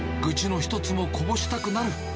愚痴の一つもこぼしたくなる。